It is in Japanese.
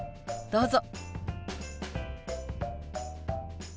どうぞ。